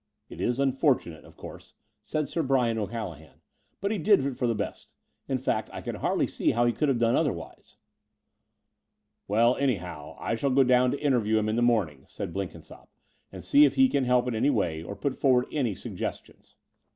"It is unfortunate, of course," said Sir Bryan O'Callaghan: "but he did it for the best. In fact I hardly see how he could have done otherwise." "Well, anyhow, I shall go down to interview him in the morning," said Blenkinsopp, "and see if he can help in any way or put forward any suggestions."